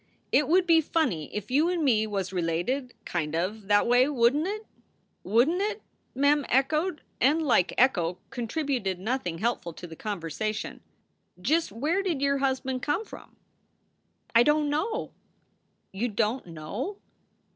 It would be funny if you and me was related, kind of, that away, wouldn t it?" "Wouldn t it?" Mem echoed; and, like Echo, contributed nothing helpful to the conversation. "Just where did your husband come from?" "I don t know!" "You don t know!"